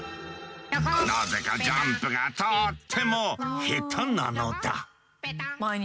なぜかジャンプがとっても下手なのだ。